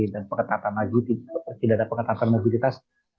dan pengetahuan maju tidak ada pengetahuan mobilitas